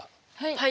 はい。